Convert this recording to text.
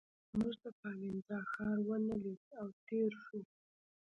موږ د پالنزا ښار ونه لید او تېر شوو.